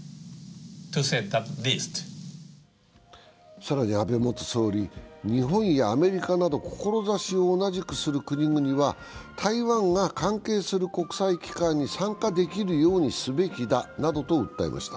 更に安倍元総理、日本やアメリカなど志を同じくする国々は台湾が関係する国際機関に参加できるようにすべきだなどと訴えました。